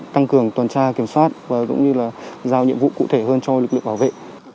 tăng cường tuần tra kiểm soát và cũng như là giao nhiệm vụ cụ thể hơn cho lực lượng bảo vệ